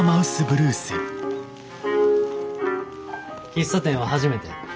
喫茶店は初めて？